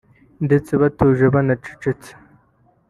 ndetse batuje banacecetse